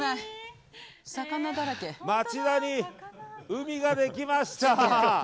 町田に海ができました。